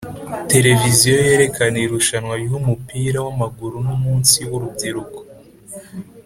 televiziyo yerekana irushanwa ry umupira w amaguru n umunsi w urubyiruko